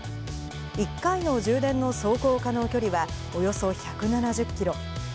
１回の充電の走行可能距離はおよそ１７０キロ。